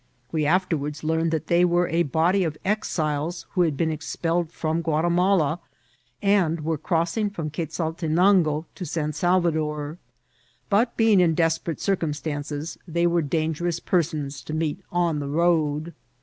We afterward learned that they were a body of exiles who had been expelled from Gruatimala, and were cross ing from Quezaltenango to San Salvador ; but, being in desperate circumstances, they were dangerous per« sons to meet on the road.